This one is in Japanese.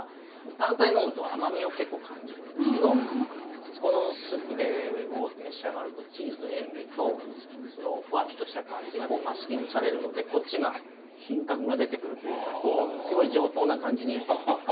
単体で呑むと甘みを結構感じるんですけどこのスフレを召し上がるとチーズの塩みとフワッとした感じがマスキングされるのでこっちが品格が出てくるというかすごい上等な感じに変わるというか。